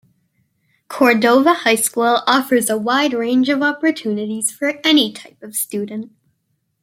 Cordova High School offers a wide range of opportunities for any type of student.